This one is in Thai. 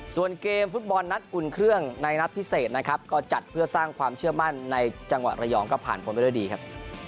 ส่วนเกมฟุตบอลนัดอุ่นเครื่องในนัดพิเศษนะครับก็จัดเพื่อสร้างความเชื่อมั่นในจังหวัดระยองก็ผ่านพ้นไปด้วยดีครับ